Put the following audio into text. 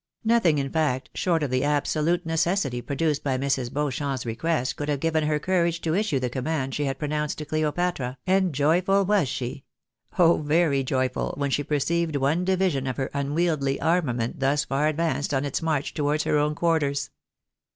Nothing, in fact, short of the absolute necessity produced by Mrs Beauchamp's request could have given her courage to issue the command she had pronounced to Cleopatra, and joyful was she — oh ! very joyful, when she perceived one division of her uji wieldly armament thus far advanced on its march towards her own quarters.